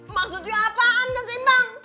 maksudnya apaan tak seimbang